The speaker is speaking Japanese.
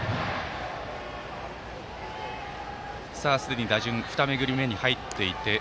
すでに打順は２巡り目に入っていて。